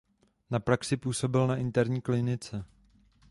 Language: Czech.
Na praxi působil na interní klinice.